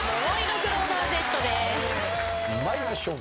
参りましょう。